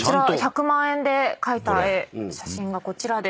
１００万円で描いた絵写真がこちらです。